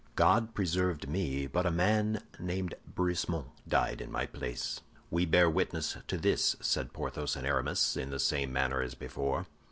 God preserved me, but a man named Brisemont died in my place." "We bear witness to this," said Porthos and Aramis, in the same manner as before.